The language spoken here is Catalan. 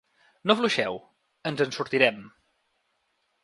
No afluixeu, ens en sortirem.